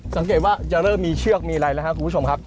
สังเกตว่าจะเริ่มมีเชือกมีอะไรแล้วครับคุณผู้ชมครับ